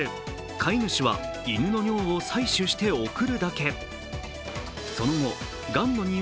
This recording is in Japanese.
飼い主は犬の尿を採取して送るだけ。